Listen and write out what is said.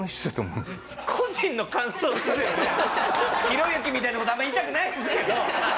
ひろゆきみたいな事あんま言いたくないですけど。